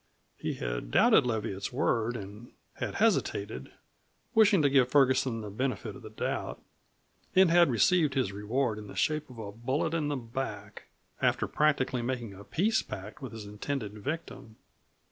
He had doubted Leviatt's word and had hesitated, wishing to give Ferguson the benefit of the doubt, and had received his reward in the shape of a bullet in the back after practically making a peace pact with his intended victim.